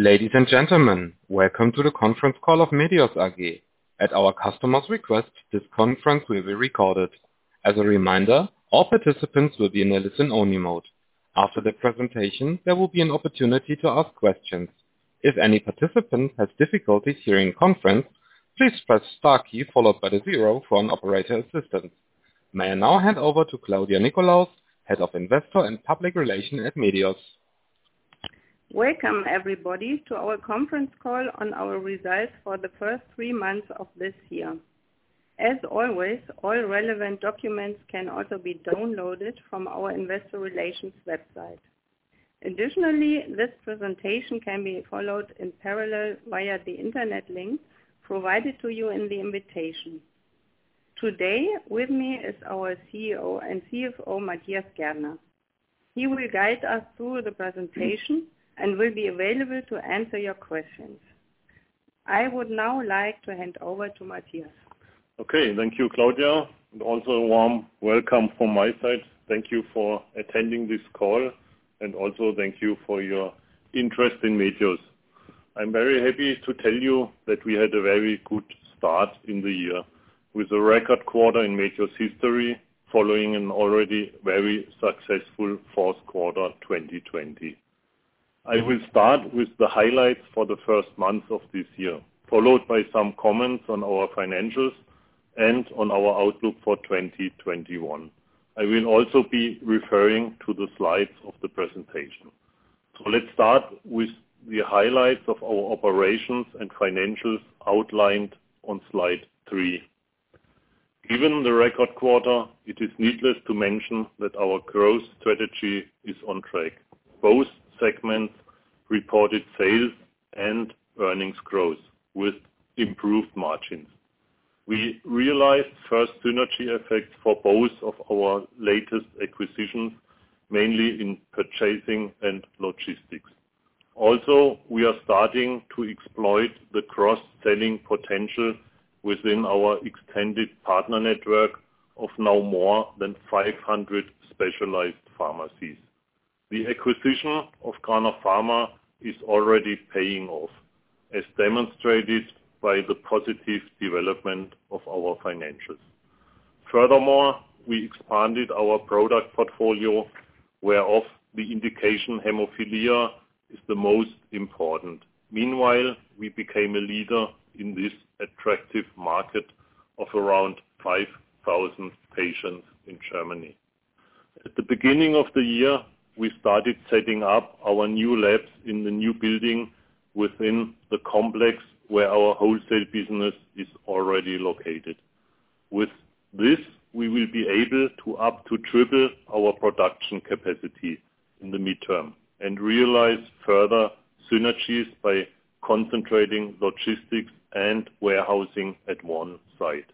Ladies and gentlemen, welcome to the conference call of Medios AG. At our customer's request, this conference will be recorded. As a reminder, all participants will be in a listen-only mode. After the presentation, there will be an opportunity to ask questions. If any participant has difficulty hearing conference, please press star key followed by the zero for an operator assistant. May I now hand over to Claudia Nickolaus, Head of Investor and Public Relations at Medios. Welcome, everybody, to our conference call on our results for the first three months of this year. As always, all relevant documents can also be downloaded from our investor relations website. Additionally, this presentation can be followed in parallel via the internet link provided to you in the invitation. Today, with me is our CEO and CFO, Matthias Gärtner. He will guide us through the presentation and will be available to answer your questions. I would now like to hand over to Matthias. Thank you, Claudia, and also a warm welcome from my side. Thank you for attending this call, and also thank you for your interest in Medios. I'm very happy to tell you that we had a very good start in the year, with a record quarter in Medios history following an already very successful fourth quarter 2020. I will start with the highlights for the first month of this year, followed by some comments on our financials and on our outlook for 2021. I will also be referring to the slides of the presentation. Let's start with the highlights of our operations and financials outlined on slide three. Given the record quarter, it is needless to mention that our growth strategy is on track. Both segments reported sales and earnings growth with improved margins. We realized first synergy effect for both of our latest acquisitions, mainly in purchasing and logistics. We are starting to exploit the cross-selling potential within our extended partner network of now more than 500 specialized pharmacies. The acquisition of Cranach Pharma is already paying off, as demonstrated by the positive development of our financials. Furthermore, we expanded our product portfolio, whereof the indication hemophilia is the most important. Meanwhile, we became a leader in this attractive market of around 5,000 patients in Germany. At the beginning of the year, we started setting up our new labs in the new building within the complex where our wholesale business is already located. With this, we will be able to up to triple our production capacity in the midterm and realize further synergies by concentrating logistics and warehousing at one site.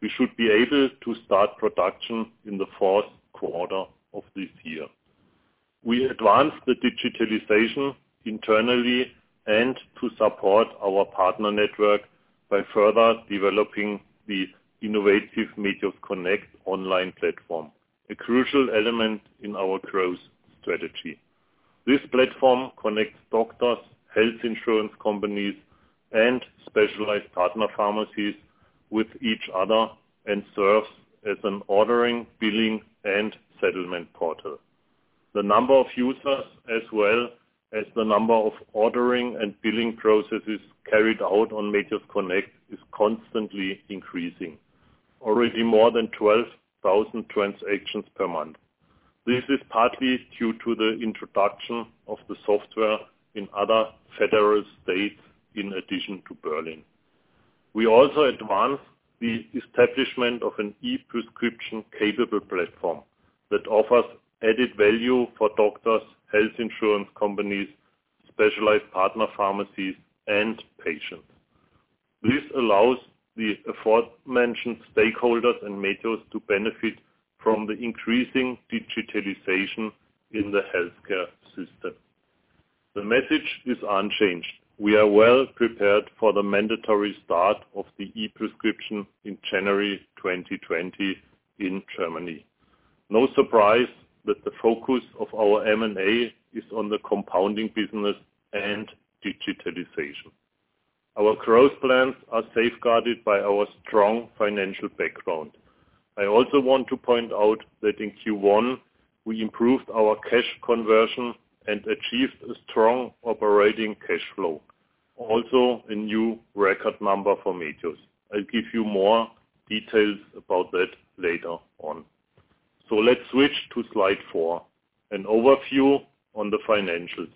We should be able to start production in the fourth quarter of this year. We advanced the digitalization internally and to support our partner network by further developing the innovative mediosconnect online platform, a crucial element in our growth strategy. This platform connects doctors, health insurance companies, and specialized partner pharmacies with each other and serves as an ordering, billing, and settlement portal. The number of users as well as the number of ordering and billing processes carried out on mediosconnect is constantly increasing. Already more than 12,000 transactions per month. This is partly due to the introduction of the software in other federal states in addition to Berlin. We also advanced the establishment of an e-prescription capable platform that offers added value for doctors, health insurance companies, specialized partner pharmacies, and patients. This allows the aforementioned stakeholders and Medios to benefit from the increasing digitalization in the healthcare system. The message is unchanged. We are well prepared for the mandatory start of the e-prescription in January 2020 in Germany. No surprise that the focus of our M&A is on the compounding business and digitalization. Our growth plans are safeguarded by our strong financial background. I also want to point out that in Q1, we improved our cash conversion and achieved a strong operating cash flow. Also, a new record number for Medios. I'll give you more details about that later on. Let's switch to slide four, an overview on the financials.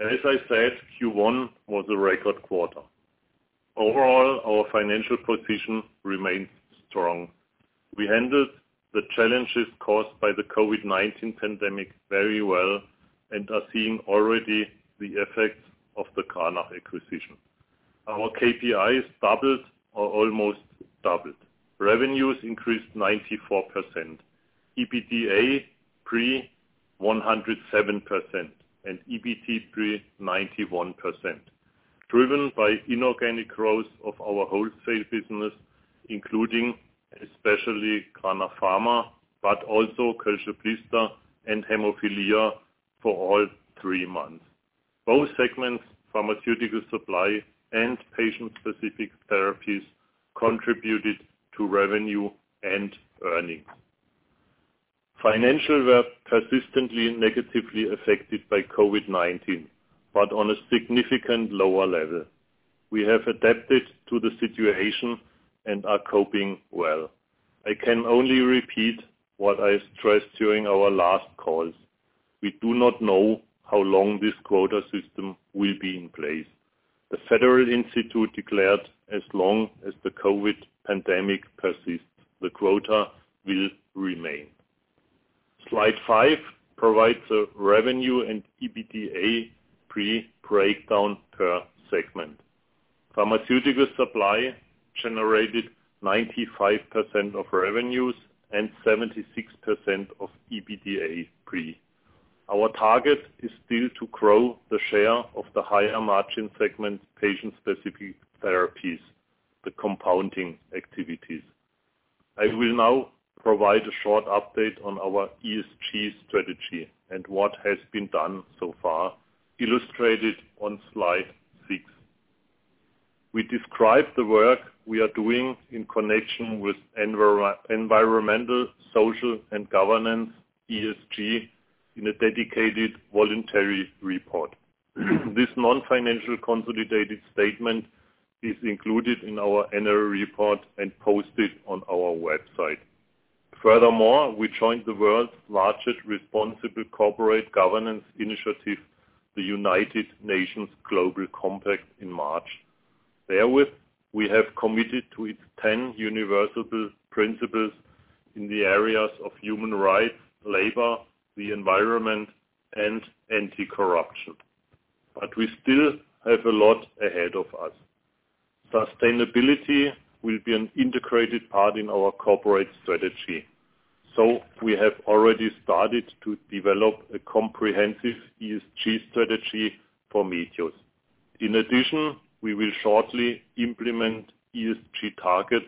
As I said, Q1 was a record quarter. Overall, our financial position remains strong. We handled the challenges caused by the COVID-19 pandemic very well and are seeing already the effects of the Cranach acquisition. Our KPIs doubled or almost doubled. Revenues increased 94%. EBITDA pre 107%, and EBT pre 91%. Driven by inorganic growth of our wholesale business, including especially Cranach Pharma, but also Kölsche Blister and hemophilia for all three months. Both segments, pharmaceutical supply and patient-specific therapies, contributed to revenue and earnings. Financial were persistently, negatively affected by COVID-19, but on a significant lower level. We have adapted to the situation and are coping well. I can only repeat what I stressed during our last calls. We do not know how long this quota system will be in place. The Federal Institute declared as long as the COVID pandemic persists, the quota will remain. Slide five provides a revenue and EBITDA pre-breakdown per segment. Pharmaceutical supply generated 95% of revenues and 76% of EBITDA pre. Our target is still to grow the share of the higher margin segment, patient-specific therapies, the compounding activities. I will now provide a short update on our ESG strategy and what has been done so far, illustrated on slide six. We describe the work we are doing in connection with environmental, social, and governance, ESG, in a dedicated voluntary report. This non-financial consolidated statement is included in our annual report and posted on our website. Furthermore, we joined the world's largest responsible corporate governance initiative, the United Nations Global Compact, in March. We have committed to its 10 universal principles in the areas of human rights, labor, the environment, and anti-corruption. We still have a lot ahead of us. Sustainability will be an integrated part in our corporate strategy. We have already started to develop a comprehensive ESG strategy for Medios. In addition, we will shortly implement ESG targets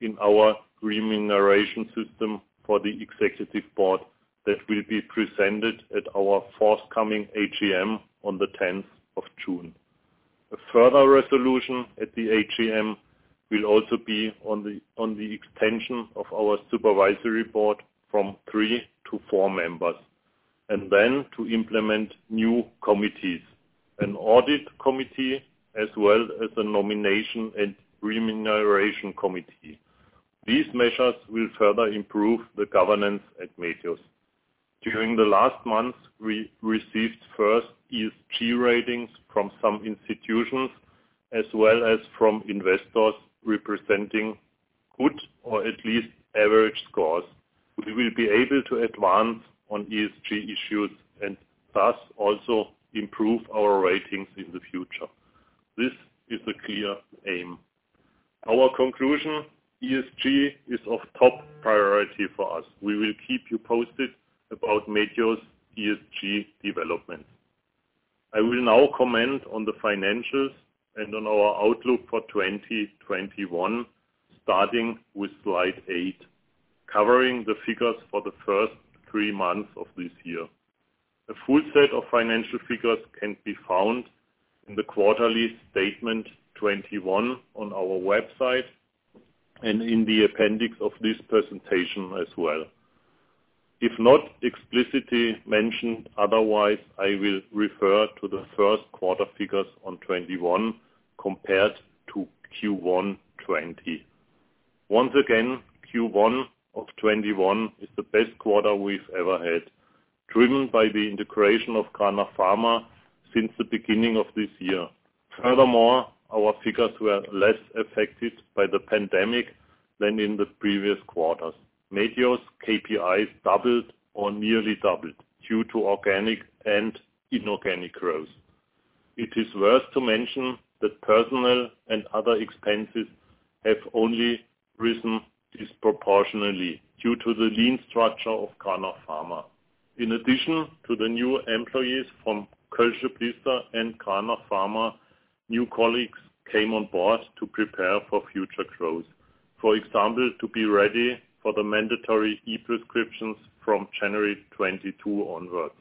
in our remuneration system for the Executive Board that will be presented at our forthcoming AGM on the 10th of June. A further resolution at the AGM will also be on the extension of our Supervisory Board from three to four members, to implement new committees, an Audit Committee, as well as a Nomination and Remuneration Committee. These measures will further improve the governance at Medios. During the last month, we received first ESG ratings from some institutions, as well as from investors representing good or at least average scores. We will be able to advance on ESG issues and thus also improve our ratings in the future. This is a clear aim. Our conclusion. ESG is of top priority for us. We will keep you posted about Medios ESG development. I will now comment on the financials and on our outlook for 2021, starting with slide eight, covering the figures for the first three months of this year. A full set of financial figures can be found in the quarterly statement 2021 on our website and in the appendix of this presentation as well. If not explicitly mentioned otherwise, I will refer to the first quarter figures on 2021 compared to Q1 2020. Once again, Q1 of 2021 is the best quarter we've ever had, driven by the integration of Cranach Pharma since the beginning of this year. Furthermore, our figures were less affected by the pandemic than in the previous quarters. Medios KPI doubled or nearly doubled due to organic and inorganic growth. It is worth to mention that personnel and other expenses have only risen disproportionally due to the lean structure of Cranach Pharma. In addition to the new employees from Kölsche Blister and Cranach Pharma, new colleagues came on board to prepare for future growth. For example, to be ready for the mandatory e-prescription from January 2022 onwards.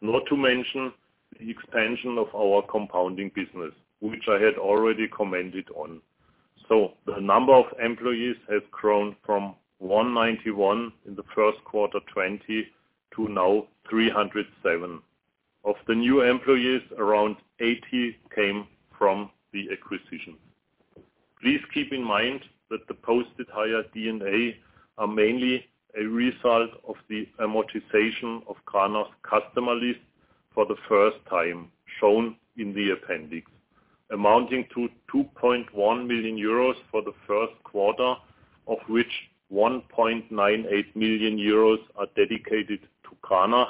Not to mention the expansion of our compounding business, which I had already commented on. The number of employees has grown from 191 in the first quarter 2020 to now 307. Of the new employees, around 80 came from the acquisition. Please keep in mind that the posted higher D&A are mainly a result of the amortization of Cranach's customer list for the first time shown in the appendix, amounting to 2.1 million euros for the first quarter, of which 1.98 million euros are dedicated to Cranach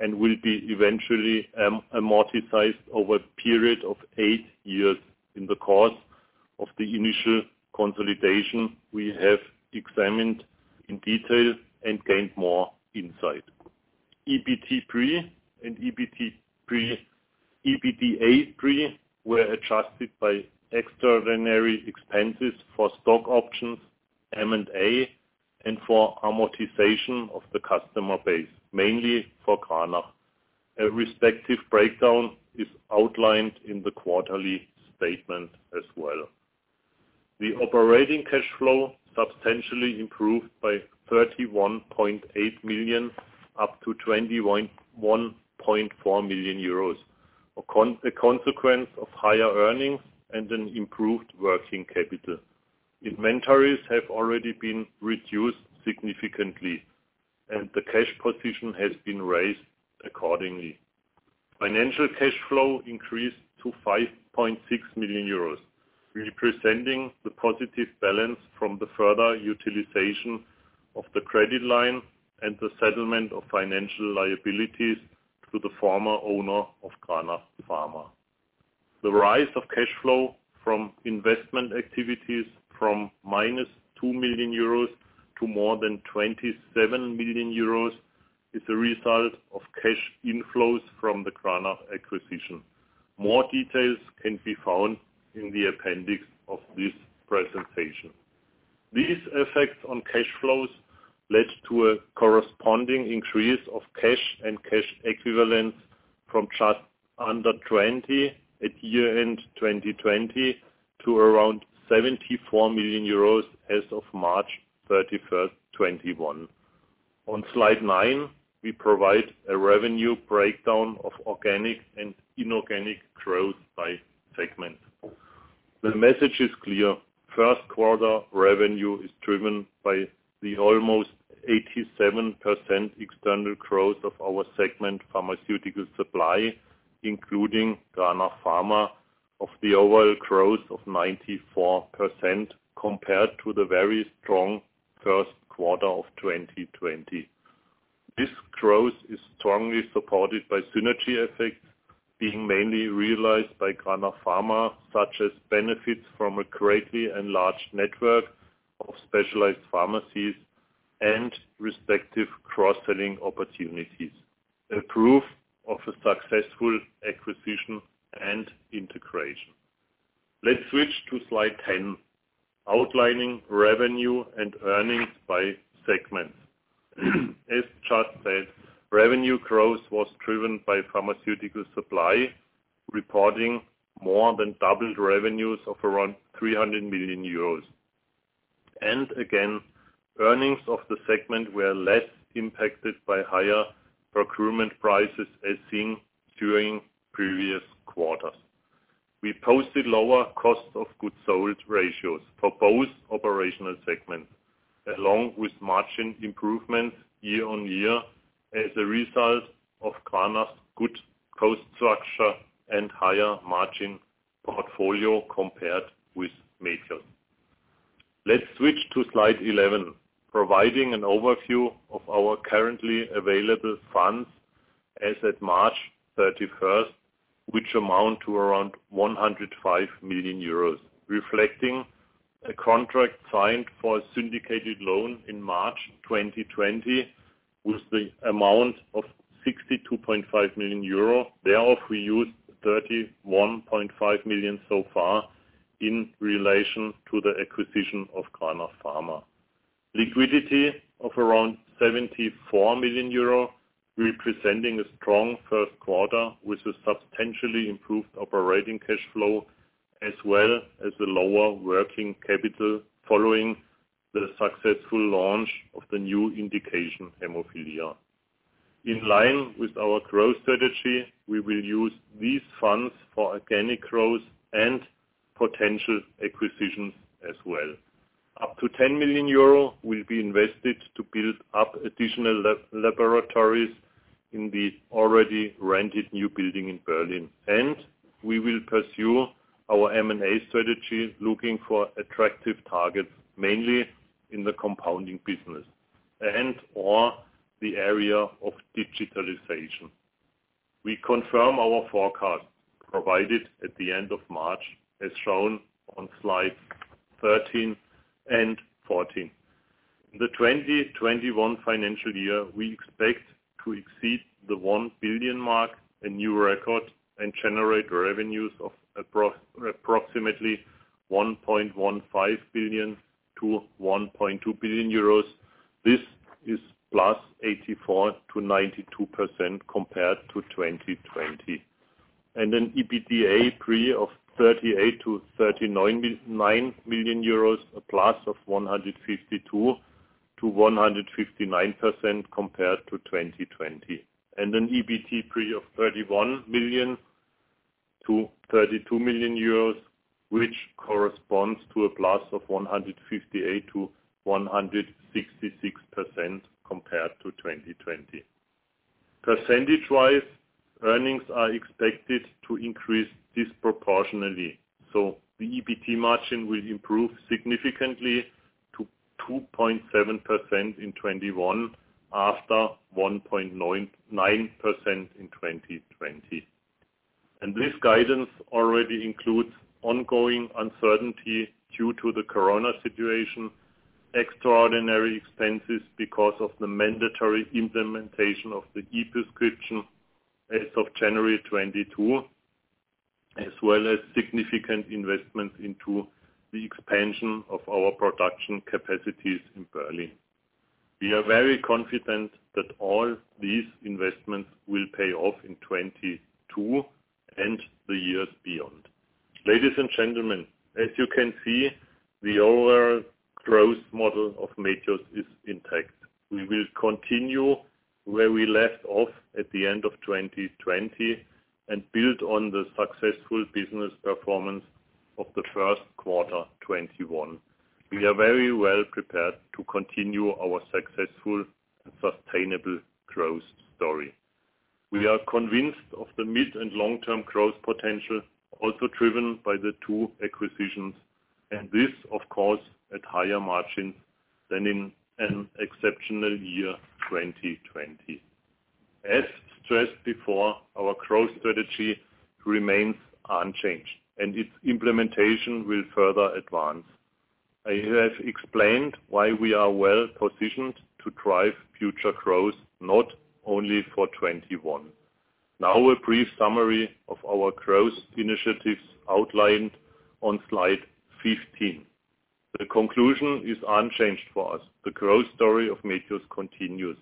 and will be eventually amortized over a period of eight years in the course of the initial consolidation we have examined in detail and gained more insight. EBT pre and EBITDA pre were adjusted by extraordinary expenses for stock options, M&A, and for amortization of the customer base, mainly for Cranach. A respective breakdown is outlined in the quarterly statement as well. The operating cash flow substantially improved by 31.8 million up to 21.4 million euros, a consequence of higher earnings and an improved working capital. Inventories have already been reduced significantly, and the cash position has been raised accordingly. Financial cash flow increased to 5.6 million euros, representing the positive balance from the further utilization of the credit line and the settlement of financial liabilities to the former owner of Cranach Pharma. The rise of cash flow from investment activities from -2 million euros to more than 27 million euros is a result of cash inflows from the Cranach acquisition. More details can be found in the appendix of this presentation. These effects on cash flows led to a corresponding increase of cash and cash equivalents from just under 20 million at year end 2020 to around 74 million euros as of March 31st, 2021. On slide nine, we provide a revenue breakdown of organic and inorganic growth by segment. The message is clear. First quarter revenue is driven by the almost 87% external growth of our segment, pharmaceutical supply, including Cranach Pharma, of the overall growth of 94% compared to the very strong first quarter of 2020. This growth is strongly supported by synergy effects being mainly realized by Cranach Pharma, such as benefits from a greatly enlarged network of specialized pharmacies and respective cross-selling opportunities. A proof of a successful acquisition and integration. Let's switch to slide 10, outlining revenue and earnings by segment. As [Charles said, revenue growth was driven by pharmaceutical supply, reporting more than doubled revenues of around 300 million euros. Again, earnings of the segment were less impacted by higher procurement prices as seen during previous quarters. We posted lower cost of goods sold ratios for both operational segments, along with margin improvements year-over-year as a result of Cranach's good cost structure and higher margin portfolio compared with Medios. Let's switch to slide 11, providing an overview of our currently available funds as at March 31st, which amount to around 105 million euros, reflecting a contract signed for a syndicated loan in March 2020 with the amount of 62.5 million euro. Thereof, we used 31.5 million so far in relation to the acquisition of Cranach Pharma. Liquidity of around 74 million euro, representing a strong first quarter with a substantially improved operating cash flow, as well as a lower working capital following the successful launch of the new indication hemophilia. In line with our growth strategy, we will use these funds for organic growth and potential acquisitions as well. Up to 10 million euro will be invested to build up additional laboratories in the already rented new building in Berlin. We will pursue our M&A strategy looking for attractive targets mainly in the compounding business and/or the area of digitalization. We confirm our forecast provided at the end of March, as shown on slides 13 and 14. The 2021 financial year, we expect to exceed the 1 billion mark, a new record, and generate revenues of approximately EUR 1.15 billion-EUR 1.2 billion. This is +84%-92% compared to 2020. An EBITDA pre of EUR 38 million-EUR 39 million, a +152%-159% compared to 2020. An EBT pre of 31 million-32 million euros, which corresponds to a +158%-166% compared to 2020. Percentage-wise, earnings are expected to increase disproportionately. The EBT margin will improve significantly to 2.7% in 2021 after 1.9% in 2020. This guidance already includes ongoing uncertainty due to the corona situation, extraordinary expenses because of the mandatory implementation of the e-prescription as of January 2022, as well as significant investments into the expansion of our production capacities in Berlin. We are very confident that all these investments will pay off in 2022 and the years beyond. Ladies and gentlemen, as you can see, the overall growth model of Medios is intact. We will continue where we left off at the end of 2020 and build on the successful business performance of the first quarter 2021. We are very well prepared to continue our successful and sustainable growth story. We are convinced of the mid- and long-term growth potential, also driven by the two acquisitions, and this, of course, at higher margins than in an exceptional year 2020. As stressed before, our growth strategy remains unchanged, and its implementation will further advance. I have explained why we are well-positioned to drive future growth, not only for 2021. Now a brief summary of our growth initiatives outlined on slide 15. The conclusion is unchanged for us. The growth story of Medios continues.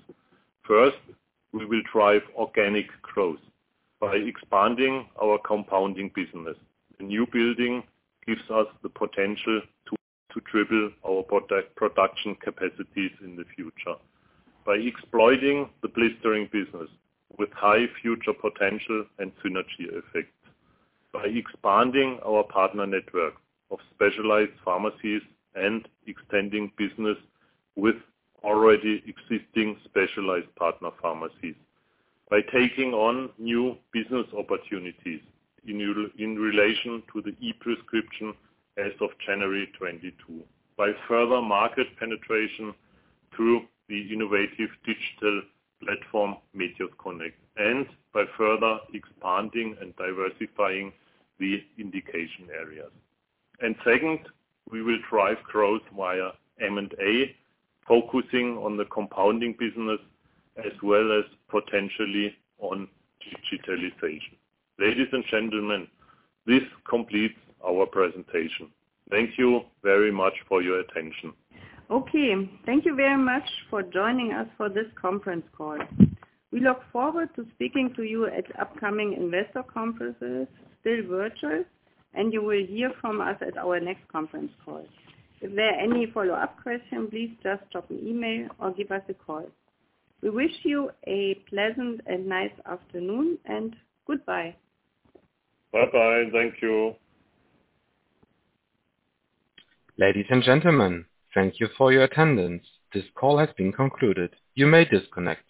First, we will drive organic growth by expanding our compounding business. The new building gives us the potential to triple our production capacities in the future by exploiting the blistering business with high future potential and synergy effects, by expanding our partner network of specialized pharmacies and extending business with already existing specialized partner pharmacies, by taking on new business opportunities in relation to the e-prescription as of January 2022, by further market penetration through the innovative digital platform mediosconnect, and by further expanding and diversifying the indication areas. Second, we will drive growth via M&A, focusing on the compounding business as well as potentially on digitalization. Ladies and gentlemen, this completes our presentation. Thank you very much for your attention. Okay. Thank you very much for joining us for this conference call. We look forward to speaking to you at upcoming investor conferences, still virtual, and you will hear from us at our next conference call. If there are any follow-up questions, please just drop an email or give us a call. We wish you a pleasant and nice afternoon, and goodbye. Bye-bye. Thank you. Ladies and gentlemen, thank you for your attendance. This call has been concluded. You may disconnect.